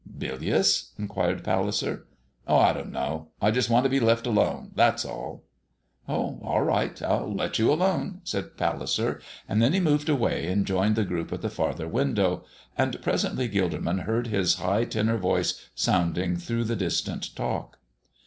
"Bilious?" inquired Palliser. "Oh, I don't know. I just want to be let alone that's all." "Oh, all right. I'll let you alone," said Palliser, and then he moved away and joined the group at the farther window, and presently Gilderman heard his high tenor voice sounding through the distant talk.